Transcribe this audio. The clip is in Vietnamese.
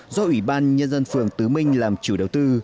do ủy ban nhân dân phường tứ minh làm chủ đầu tư